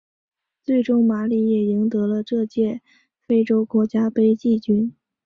最终马里也赢得了这届非洲国家杯季军。